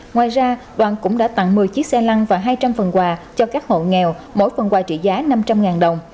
ngoài ra đoàn cũng đã tặng một mươi chiếc xe lăn và hai trăm linh phần quà cho các hộ nghèo mỗi phần quà trị giá năm trăm linh đồng